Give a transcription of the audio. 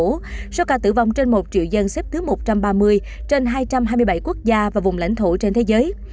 trong số ca tử vong trên một triệu dân xếp thứ một trăm ba mươi trên hai trăm hai mươi bảy quốc gia và vùng lãnh thổ trên thế giới